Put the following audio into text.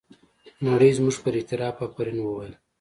نړۍ زموږ پر اعتراف افرین وویل.